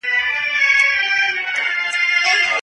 له ویري څخه مه وېرېږئ.